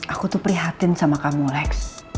aku tuh prihatin sama kamu lex